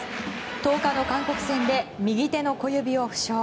１０日の韓国戦で右手の小指を負傷。